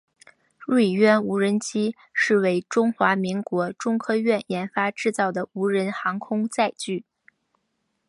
锐鸢无人机是为中华民国中科院研发制造的无人航空载具。